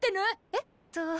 えっと。